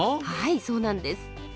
はいそうなんです。